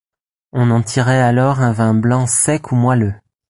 On en tirait alors un vin blanc sec ou moelleux.